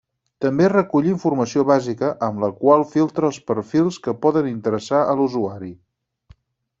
També recull informació bàsica, amb la qual filtra els perfils que poden interessar a l'usuari.